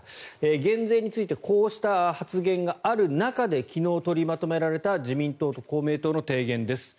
減税についてこうした発言がある中で昨日取りまとめられた自民党と公明党の提言です。